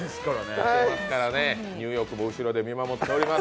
ニューヨークも後ろで見守っております。